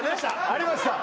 ありました